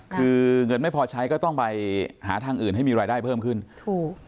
คือเงินไม่พอใช้ก็ต้องไปหาทางอื่นให้มีรายได้เพิ่มขึ้นถูก